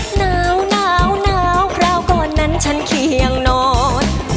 หนาวหนาวหนาวคราวก่อนนั้นฉันเคียงนอน